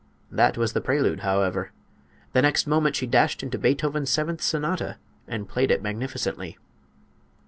That was the prelude, however. The next moment she dashed into Beethoven's seventh sonata and played it magnificently.